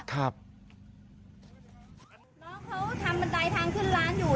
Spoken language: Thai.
น้องเขาทำบันไดทางขึ้นร้านอยู่ที่ร้านขายของ